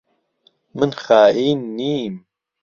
من خائین نیم.